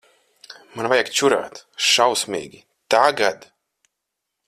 Man vajag čurāt. Šausmīgi. Tagad.